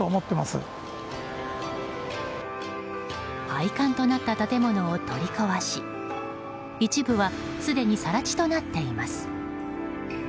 廃館となった建物を取り壊し一部はすでに更地となっています。